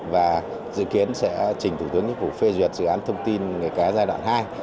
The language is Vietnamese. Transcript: và dự kiến sẽ trình thủ tướng chính phủ phê duyệt dự án thông tin nghề cá giai đoạn hai